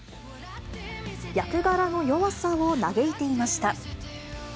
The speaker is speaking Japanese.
役柄の弱さを嘆いていました。